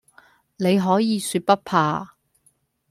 你可以說不怕